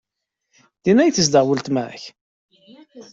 Din ay tezdeɣ weltma-k?